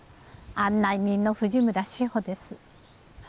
案内人の藤村志保です。